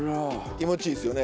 気持ちいいですよね。